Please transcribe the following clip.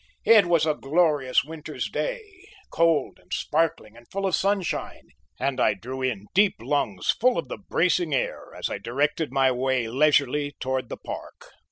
It was a glorious winter's day, cold and sparkling, and full of sunshine, and I drew in deep lungs full of the bracing air as I directed my way leisurely towards the Park.